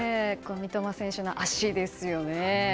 三笘選手の足ですよね。